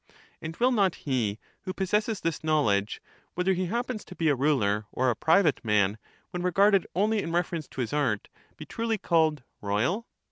And will not he who possesses this knowledge, whether that a he happens to be a ruler or a private man, when regarded {^® only in reference to his art, be truly called ' royal